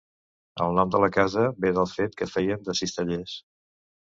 El nom de la casa ve del fet que feien de cistellers.